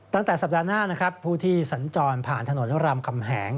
ตั้งแต่สัปดาห์หน้านะครับผู้ที่สัญจรผ่านถนนรามคำแหง